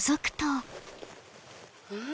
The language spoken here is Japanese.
うん？